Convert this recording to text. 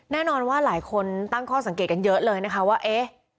แน่นอนว่าหลายคนตั้งข้อสังเกตกันเยอะเลยนะคะว่าเอ๊ะ